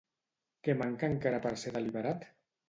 Què manca encara per ser deliberat?